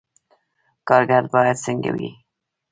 کارګر باید څنګه وي؟